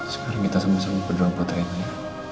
sekarang kita sama sama berdoa buat reina